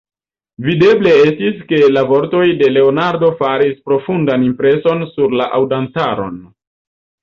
Videble estis, ke la vortoj de Leonardo faris profundan impreson sur la aŭdantaron.